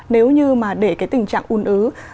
nếu như mà để cái tình trạng ùn ứ